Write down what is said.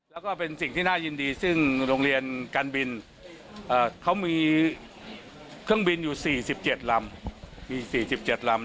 แล้วก็เป็นสิ่งที่น่ายินดีสิ่งการลงเรียนการบินมีเครื่องบินอยู่๔๗ลำ